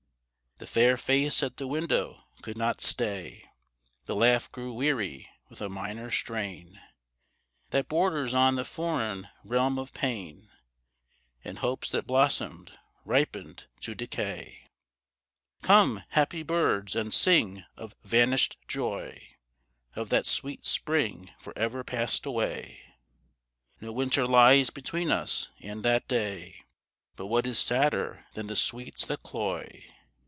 The fair face at the window could not stay; The laugh grew weary, with a minor strain That borders on the foreign realm of pain, And hopes that blossomed, ripened to decay. Come, happy birds, and sing of vanished joy, Of that sweet Spring for ever passed away; No winter lies between us and that day. (But what is sadder than the sweets that cloy.)